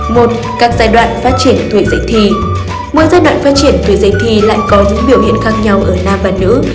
mỗi giai đoạn phát triển tuổi dậy thì lại có những biểu hiện khác nhau ở nam và nữ